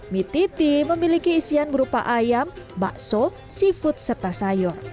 mie titi memiliki isian berupa ayam bakso seafood serta sayur